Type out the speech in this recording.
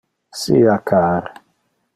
Sia car.